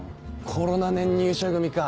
コロナ年入社組か。